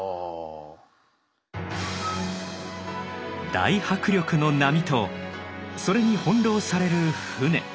大迫力の波とそれに翻弄される舟。